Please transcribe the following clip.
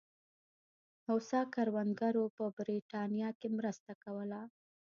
هوسا کروندګرو په برېټانیا کې مرسته کوله.